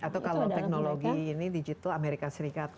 atau kalau teknologi ini digital amerika serikat